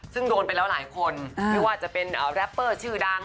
ซึ่งโดนไปแล้วหลายคนไม่ว่าจะเป็นแรปเปอร์ชื่อดัง